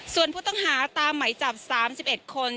ส่วนผู้ต้องหาตามไหมจับ๓๑คน